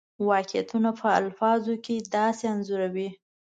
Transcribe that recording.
واقعیتونه په الفاظو کې داسې انځوروي.